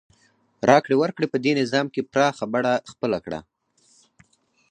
راکړې ورکړې په دې نظام کې پراخه بڼه خپله کړه.